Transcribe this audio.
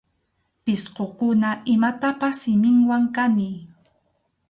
Pisqukuna imatapas siminwan kaniy.